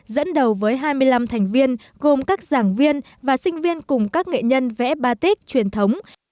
dẫn đầu với hai mươi năm thành viên gồm các giảng viên và sinh viên cùng các nghệ nhân vẽ ba tết truyền thống